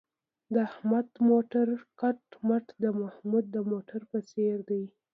د احمد موټر کټ مټ د محمود د موټر په څېر دی.